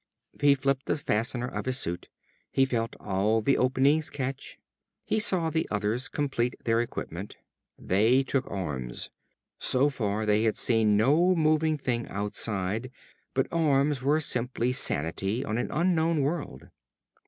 He flipped the fastener of his suit. He felt all the openings catch. He saw the others complete their equipment. They took arms. So far they had seen no moving thing outside, but arms were simple sanity on an unknown world.